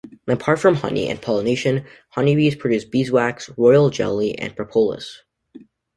Apart from honey and pollination, honey bees produce beeswax, royal jelly and propolis.